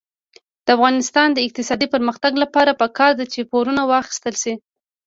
د افغانستان د اقتصادي پرمختګ لپاره پکار ده چې پورونه واخیستل شي.